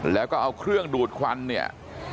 แล้วก็เอาเครื่องดูดควันเนี่ย